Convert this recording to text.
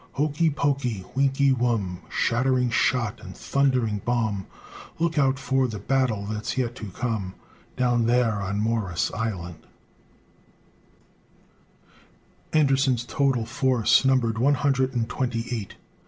Hokee pokee, winkee wum, Shattering shot and thundering bomb, Look out for the battle that's yet to come Down there on Morris' Island! Anderson's total force numbered one hundred and twenty eight.